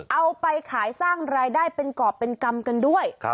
เอาไปขายสร้างรายได้เป็นกรอบเป็นกรรมกันด้วย